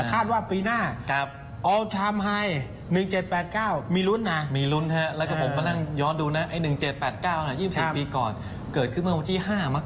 จะฉลองกันวันที่๕นี้เลยใช่ป่าวเอาครบรอบเลยมั้ย